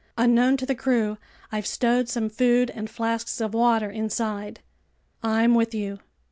Unknown to the crew, I've stowed some food and flasks of water inside." "I'm with you."